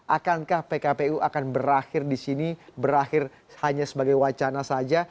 akankah pkpu akan berakhir di sini berakhir hanya sebagai wacana saja